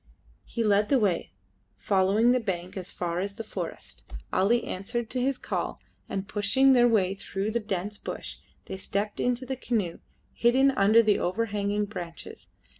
He led the way, following the bank as far as the forest. Ali answered to his call, and, pushing their way through the dense bush, they stepped into the canoe hidden under the overhanging branches.